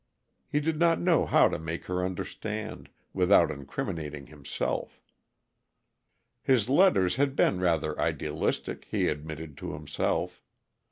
He did not know how to make her understand, without incriminating himself. His letters had been rather idealistic, he admitted to himself.